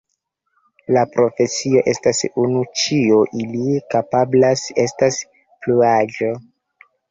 La profesio estas uno, ĉio ili kapablas estas pluaĵo.